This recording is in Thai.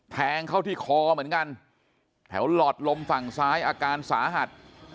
แทงเข้าที่คอเหมือนกันแถวหลอดลมฝั่งซ้ายอาการสาหัส